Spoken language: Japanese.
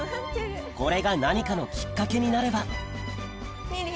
これが何かのきっかけになればミリィミリィ。